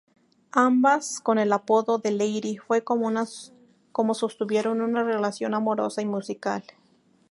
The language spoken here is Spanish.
Ambas con el apodo de "Lady" fue como sostuvieron una relación amorosa y musical.